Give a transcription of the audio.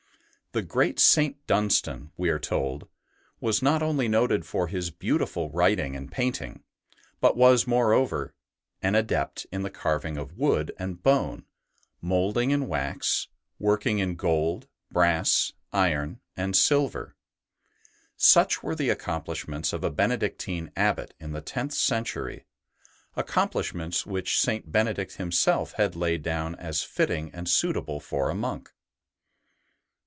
The great St. Dunstan, we are told, was not only noted for his beautiful writing and painting, but was moreover an adept in the carving of wood and bone, moulding in wax, working in gold, brass, iron, and silver. Such were the accomplishments of a Benedictine Abbot in the tenth century, accomplishments which St. Benedict himself had laid down as fitting and suitable for a monk.